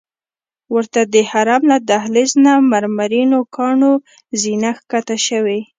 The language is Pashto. ورته د حرم له دهلیز نه مرمرینو کاڼو زینه ښکته شوې.